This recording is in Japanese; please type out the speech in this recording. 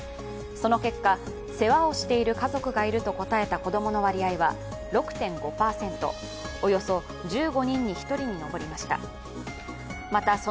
その結果、世話をしている家族がいると答えた子供の割合は６．５％、およそ１５人に１人に上りました。